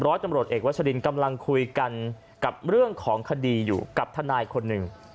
ตำรวจเอกวัชรินกำลังคุยกันกับเรื่องของคดีอยู่กับทนายคนหนึ่ง